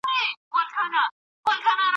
آسمانه ما خو داسي نه ویله